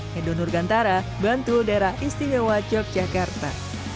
hedo nurgantara bantul daerah istimewa yogyakarta